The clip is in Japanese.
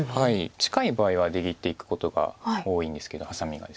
近い場合は出切っていくことが多いんですけどハサミがです。